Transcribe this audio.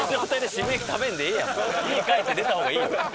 家帰って寝た方がいいやん。